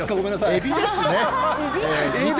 エビですね。